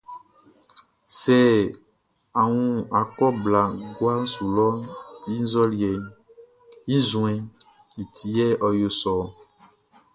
Sɛ a wun akɔ blaʼn guaʼn su lɔʼn, i nzuɛnʼn ti yɛ ɔ yoli sɔ ɔ.